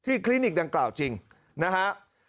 คลินิกดังกล่าวจริงนะฮะ